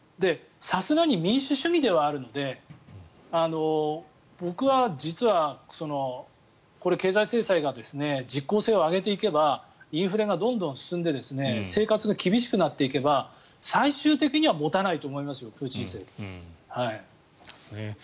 さすがに民主主義ではあるので僕は実は、経済制裁が実効性を上げていけばインフレがどんどん進んで生活が厳しくなっていけば最終的には持たないと思いますよ